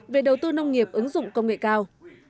về đầu tư nông nghiệp ứng dụng công nghệ cao